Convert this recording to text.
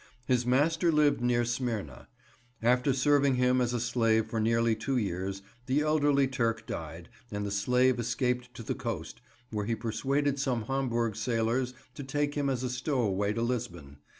His master lived near Smyrna. After serving him as a slave for nearly two years, the elderly Turk died and the slave escaped to the coast, where he persuaded some Hamburg sailors to take him as a stowaway to Lisbon.